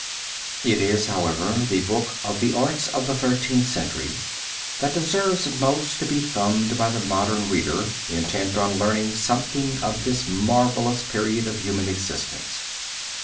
It is, however, the bock of the Arts of the Thirteenth Century that deserves most to be thumbed by the modern reader intent on learning something of this marvelous period of human existence.